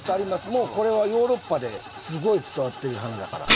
もうこれはヨーロッパですごい伝わってる花だから。